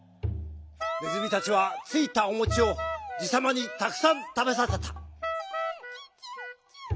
ねずみたちはついたおもちをじさまにたくさんたべさせた。